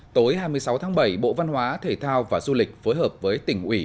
tối hai mươi sáu tháng bảy bộ văn hóa thể thao và du lịch phối hợp với tỉnh ủy